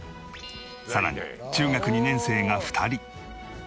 さらに中学２年生が２人。